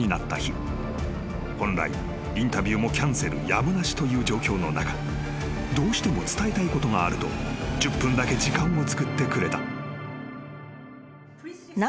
［本来インタビューもキャンセルやむなしという状況の中どうしても伝えたいことがあると１０分だけ時間をつくってくれた］